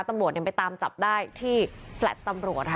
ตำรวจไปตามจับได้ที่แฟลต์ตำรวจค่ะ